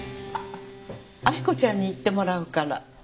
明子ちゃんに行ってもらうから。